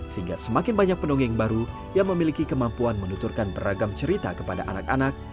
sehingga semakin banyak pendongeng baru yang memiliki kemampuan menuturkan beragam cerita kepada anak anak